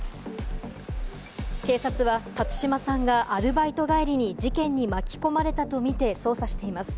警察は辰島さんがアルバイト帰りに事件に巻き込まれたとみて捜査しています。